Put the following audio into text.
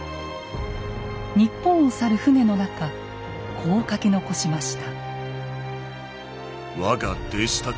日本を去る船の中こう書き残しました。